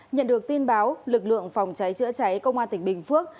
nhận được tin báo lực lượng phòng cháy chữa cháy công an tỉnh bình phước